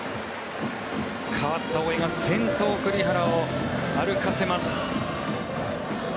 代わった大江が先頭、栗原を歩かせます。